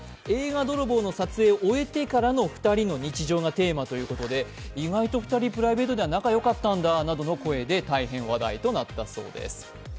映画泥棒の撮影を終えてからの２人の日常がテーマということで、意外と２人、プライベートで仲よかったんだなどと大変話題となったそうです。